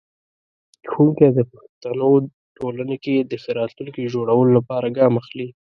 ښوونکی د پښتنو ټولنې کې د ښه راتلونکي جوړولو لپاره ګام اخلي.